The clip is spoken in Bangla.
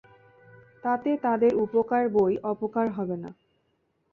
তাতে তাদের উপকার বৈ অপকার হবে না।